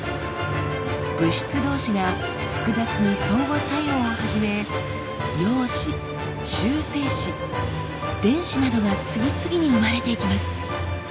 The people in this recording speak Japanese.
物質同士が複雑に相互作用を始め陽子中性子電子などが次々に生まれていきます。